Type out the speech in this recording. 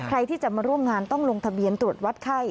ใครที่จะมาร่วมงานต้องลงทะเบียนตรวจวัดไข้